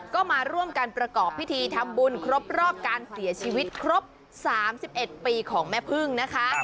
ก็มาร่วมกันประกอบพิธีทำบุญครบรอบการเสียชีวิตครบ๓๑ปีของแม่พึ่งนะคะ